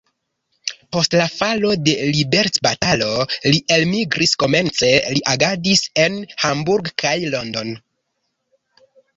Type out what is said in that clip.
Post la falo de liberecbatalo li elmigris, komence li agadis en Hamburg kaj London.